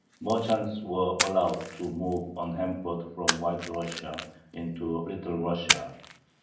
Merchants were allowed to move unhampered from White Russia into Little Russia.